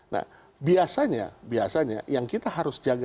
nah biasanya biasanya yang kita harus jaga